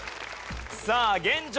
さあ現状